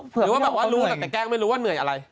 หรือว่าแบบว่ารู้แต่แกล้งไม่รู้ว่าเหนื่อยอะไร